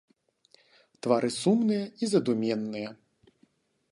Твары сумныя і задуменныя.